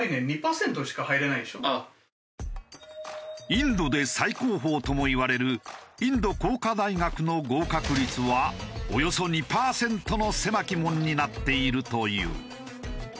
インドで最高峰ともいわれるインド工科大学の合格率はおよそ２パーセントの狭き門になっているという。